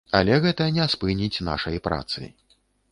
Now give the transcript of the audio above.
Але гэта не спыніць нашай працы.